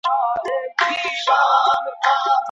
ایا افغان سوداګر شین ممیز صادروي؟